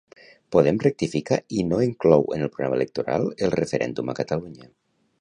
Podem rectifica i no inclou en el programa electoral el referèndum a Catalunya.